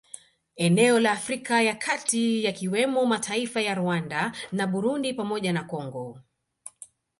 Eneo la Afrika ya kati yakiwemo mataifa ya Rwanda na Burundi pamoja na Congo